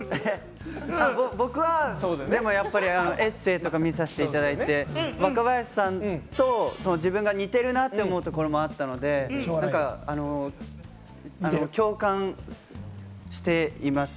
僕はでもやっぱりエッセイとか見させていただいて、若林さんと自分が似てるなって思うところもあったので、共感していますね。